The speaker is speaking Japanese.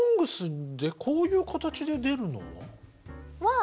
「ＳＯＮＧＳ」でこういう形で出るのは。